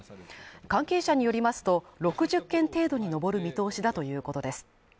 関係者によりますと、６０件程度に上る見通しだということです。